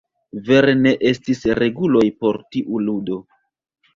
Vere ne estis reguloj por tiu ludo.